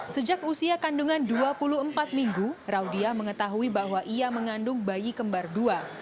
sejak usia kandungan dua puluh empat minggu raudiah mengetahui bahwa ia mengandung bayi kembar dua